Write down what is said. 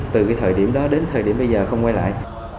từ cái thời điểm đó đến thời điểm bây giờ không quay lại